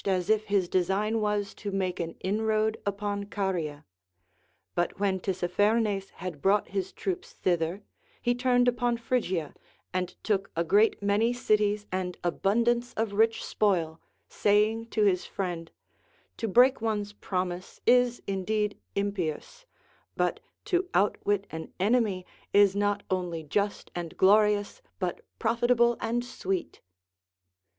387 as if his design was to make an inroad upon Cavia ; but when Tissaphernes had brought his troops thither, he turned upon Phrygia, and took a great many cities and abundance of rich spoil, saying to his friend : To break one's promise is indeed impious ; but to outwit an enemy is not only just and glorious, but profitable and sweet.